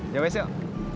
ya wis yuk